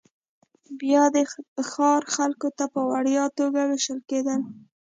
بیا د ښار خلکو ته په وړیا توګه وېشل کېدل